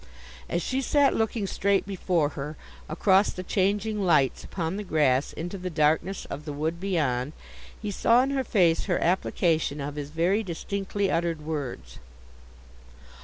As she sat looking straight before her, across the changing lights upon the grass into the darkness of the wood beyond, he saw in her face her application of his very distinctly uttered words.